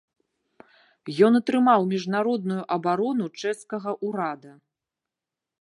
Ён атрымаў міжнародную абарону чэшскага ўрада.